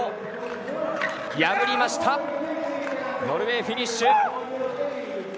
ノルウェー、フィニッシュ。